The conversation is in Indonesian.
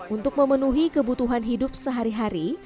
untuk memenuhi kebutuhan hidup sehari hari